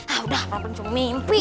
ah udah apa penceng mimpi